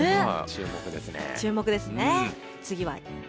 注目ですね。